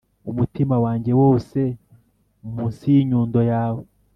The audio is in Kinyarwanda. umutima wanjye wose munsi y'inyundo yawe,